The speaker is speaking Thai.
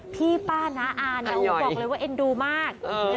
พี่ป้าน้าอาเนี่ยบอกเลยว่าเอ็นดูมาก